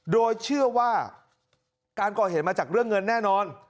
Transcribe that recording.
โดยเชื่อว่าการก่อเหตุมาจากเรื่องเงินแน่นอน